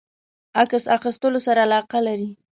عکس اخیستلو سره علاقه لری؟